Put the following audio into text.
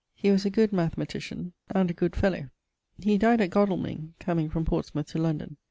He was a good mathematician, and a good fellowe. He dyed at Godalmyng, comeing from Portsmouth to London